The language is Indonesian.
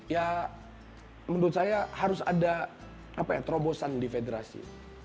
ya menurut saya harus ada terobosan di federasi